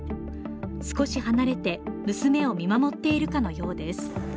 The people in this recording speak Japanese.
少し離れて娘を見守っているかのようです。